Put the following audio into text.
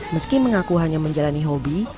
meski mengaku hanya menjalani hobi